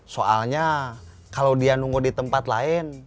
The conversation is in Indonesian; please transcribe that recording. soalnya kalau dia nunggu di tempat lain